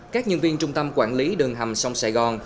các nhân viên trung tâm quản lý đường hầm sông sài gòn